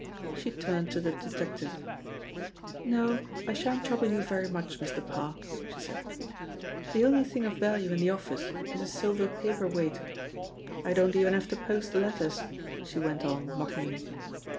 She turned to the detective. "'No, I shan't trouble you very much, Mr. Parr," she said. "The only thing of value in the office is a silver paper weight I don't even have to post the letters," she went on mockingly.